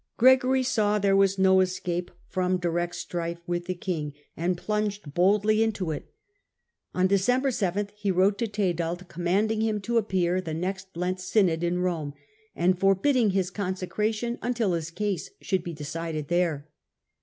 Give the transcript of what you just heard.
Gregory saw there was no escape from direct strife with the king, and plunged boldly Digitized by VjOOQIC 112 HiLDEBRAND into it. On December 7 he wrote to Tedald, com Ipianding liim to attend the next Lent synod in Borne, and forbidding his consecration until his case should be decided there.